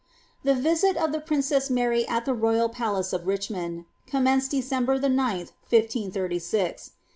The visit of the princess Mary at the royal palace of Richmond com menced December the 9th, 153G.'